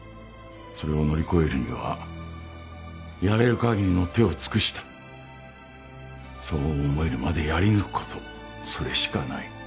それを乗り越えるにはやれる限りの手を尽くしたそう思えるまでやり抜くことそれしかない。